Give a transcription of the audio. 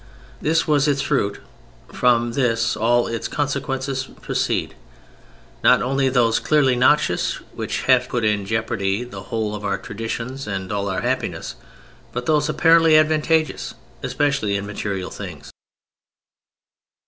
This was its fruit: from this all its consequences proceed: not only those clearly noxious, which have put in jeopardy the whole of our traditions and all our happiness, but those apparently advantageous, especially in material things.